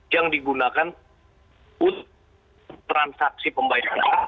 yang digunakan untuk transaksi pembayaran